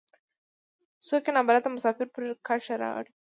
څوک يې نا بلده مسافر پر کرښه اړوي.